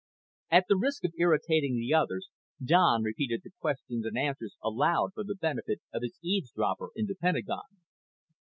At the risk of irritating the others, Don repeated the questions and answers aloud for the benefit of his eavesdropper in the Pentagon.